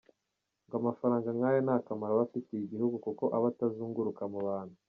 Ngo amafaranga nk’ayo nta kamaro abafitiye igihugu kuko aba atazunguruka mu bantu.